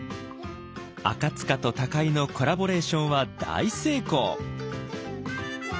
赤と高井のコラボレーションは大成功。